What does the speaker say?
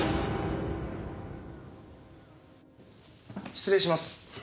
失礼します。